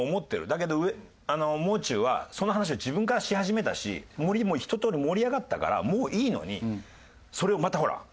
だけどもう中はその話は自分からし始めたしひと通り盛り上がったからもういいのにそれをまたほら。